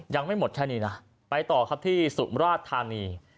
ยังไม่หมดแค่นี้นะไปต่อครับที่สุมราชธานี